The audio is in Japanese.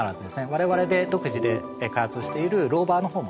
我々で独自で開発をしているローバーの方もですね